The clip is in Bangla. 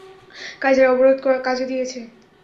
কাইযারের অবরোধ কাজে দিয়েছে।